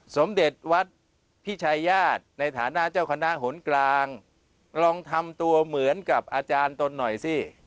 สมเด็จวัดพิชัยญาติในฐานะเจ้าคณะหนกลางลองทำตัวเหมือนกับอาจารย์ตนหน่อยสิ